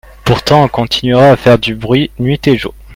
Pourtant on continuera à faire du bruit nuit et jour.